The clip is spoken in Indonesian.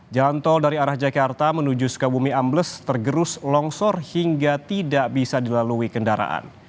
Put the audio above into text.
jalan tol dari arah jakarta menuju sukabumi ambles tergerus longsor hingga tidak bisa dilalui kendaraan